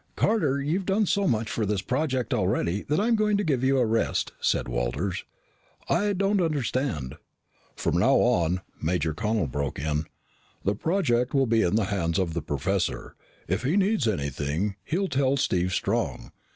"Carter, you've done so much for this project already that I'm going to give you a rest," said Walters. "I don't understand." "From now on," Major Connel broke in, "the project will be in the hands of the professor. If he needs anything, he'll tell Steve Strong.